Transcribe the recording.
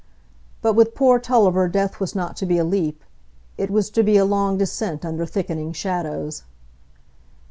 But with poor Tulliver death was not to be a leap; it was to be a long descent under thickening shadows.